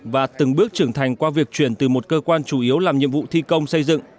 và từng bước trưởng thành qua việc chuyển từ một cơ quan chủ yếu làm nhiệm vụ thi công xây dựng